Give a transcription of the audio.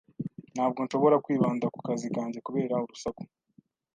Ntabwo nshobora kwibanda ku kazi kanjye kubera urusaku.